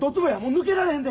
抜けられへんで！